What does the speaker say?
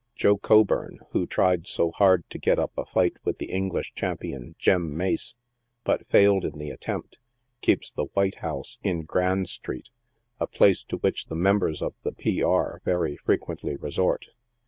Joe Coburn, who tried so hard to get up a fight with the English champion, Jem Mace, but failed in the attempt, keeps the " White House," in Grand street, a place to which the members of the P. Ii. very frequently resort.